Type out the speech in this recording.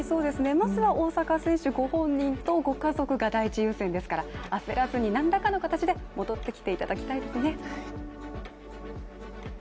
まずは大坂選手ご本人とご家族が第一優先ですから焦らずになんらかの形で戻ってきていただきたいですね。